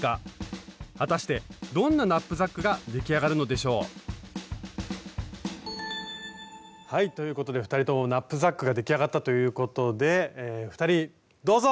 果たしてどんなナップザックが出来上がるのでしょうはい。ということで２人ともナップザックが出来上がったということで２人どうぞ！